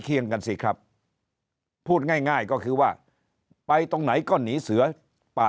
เคียงกันสิครับพูดง่ายง่ายก็คือว่าไปตรงไหนก็หนีเสือป่า